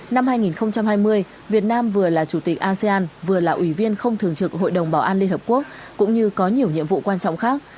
năm hai nghìn hai mươi việt nam vừa là chủ tịch asean vừa là ủy viên không thường trực hội đồng bảo an liên hợp quốc cũng như có nhiều nhiệm vụ quan trọng khác